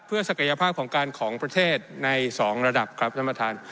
เพื่อศักยภาพของการของประเทศใน๒ระดับครับท่านประธาน